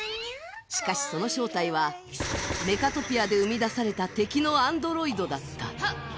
しかし、その正体はメカトピアで生み出された敵のアンドロイドだった。